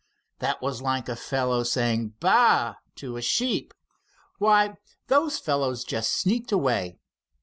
It was like a fellow saying 'Baa!' to sheep. Why, those fellows just sneaked away.